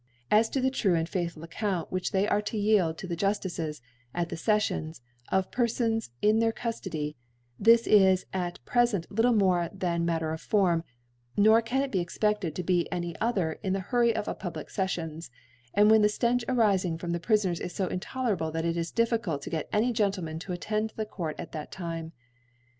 As ' to the ' trye and faithful Account which they are * to yield to the Juftices, at the Scffions, * of the Perfons in their Cuftody,* this is at prefent Iktle more than Matter of Form ; nor can it be expedlcd to be any other in Fa the ( lOO ) the Hurry oF a public Scflions, and when the Stench arifing from the Prifoncrs is lb intolerable, that it is difHcuIt to get any Gcotlemen to attend the Court at that Time.